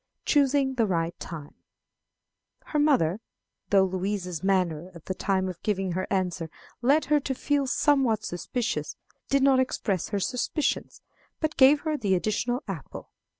Choosing the Right Time. Her mother though Louisa's manner, at the time of giving her answer, led her to feel somewhat suspicious did not express her suspicions, but gave her the additional apple.